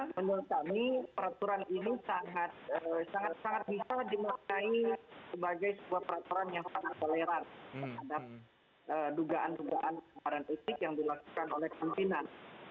menurut kami peraturan ini sangat sangat bisa dimaknai sebagai sebuah peraturan yang sangat toleran terhadap dugaan dugaan pelanggaran etik yang dilakukan oleh pimpinan